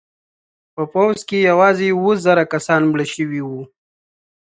په پوځ کې یوازې اوه زره کسان مړه شوي وو.